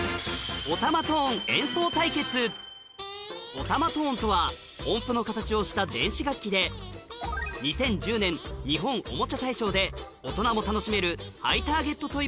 オタマトーンとは音符の形をした２０１０年日本おもちゃ大賞で大人も楽しめる「ハイターゲット・トイ部門」